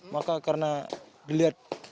maka karena dilihat